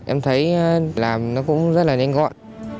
em thấy làm nó cũng rất là nhanh gọn